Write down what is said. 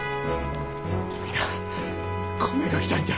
皆米が来たんじゃ。